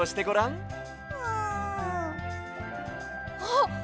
あっ！